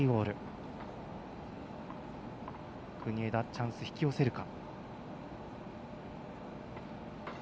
国枝、チャンスを引き寄せるか。